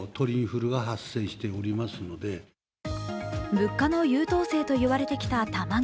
物価の優等生といわれてきた卵。